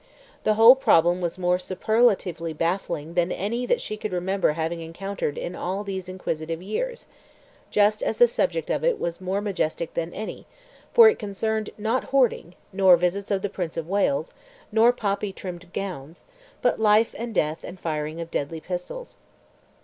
The whole problem was more superlatively baffling than any that she could remember having encountered in all these inquisitive years, just as the subject of it was more majestic than any, for it concerned not hoarding, nor visits of the Prince of Wales, nor poppy trimmed gowns, but life and death and firing of deadly pistols.